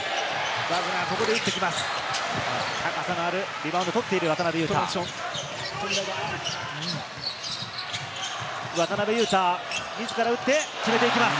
バグナー、ここで打ってきます。